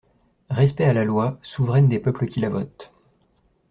Respect à la Loi, souveraine des peuples qui la votent!